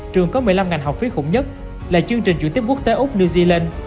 trường có một mươi năm ngành học phí khủng nhất là chương trình chuyển tiếp quốc tế úc new zealand